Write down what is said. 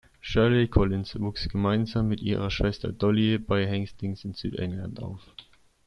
Shirley Collins wuchs gemeinsam mit ihrer Schwester Dolly bei Hastings in Südengland auf.